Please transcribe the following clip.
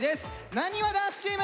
なにわ男子チーム！